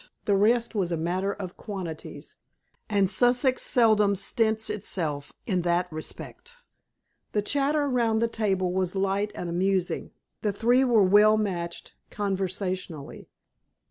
The rest was a matter of quantities, and Sussex seldom stints itself in that respect. The chatter round the table was light and amusing. The three were well matched conversationally.